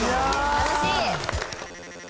楽しい！